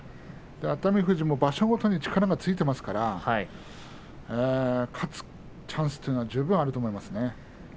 熱海富士も場所ごとに力がついてますから勝つチャンスは十分にあると思いますよ。